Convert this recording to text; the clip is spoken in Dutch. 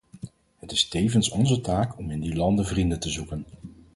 Het is tevens onze taak om in die landen vrienden te zoeken.